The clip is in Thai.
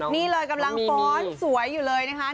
นี่เลยกำลังฟ้อนสวยอยู่เลยนะคะ